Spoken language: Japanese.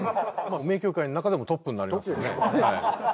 名球会の中でもトップになれますよね。